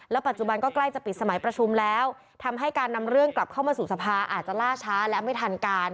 ปัจจุบันก็ใกล้จะปิดสมัยประชุมแล้วทำให้การนำเรื่องกลับเข้ามาสู่สภาอาจจะล่าช้าและไม่ทันการ